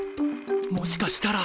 もしかしたら。